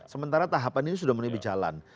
sementara tahapan ini sudah mulai berjalan